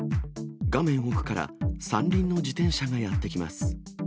画面奥から三輪の自転車がやって来ます。